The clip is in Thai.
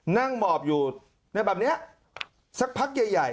นั่งหมอบอยู่แบบนี้สักพักใหญ่